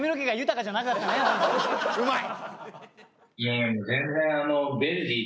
うまい！